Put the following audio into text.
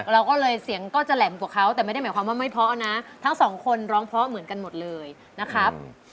เราก็เลยเสียงก็จะแหลมกว่าเขาแต่ไม่ได้หมายความว่าไม่เพราะนะทั้งสองคนร้องเพราะเหมือนกันหมดเลยนะครับ